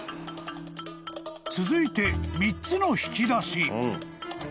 ［続いて３つの引き出し］